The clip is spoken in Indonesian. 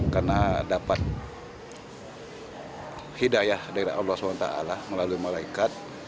karena dapat hidayah dari allah swt melalui malaikat